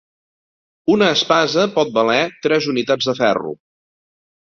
Una espasa pot valer tres unitats de ferro.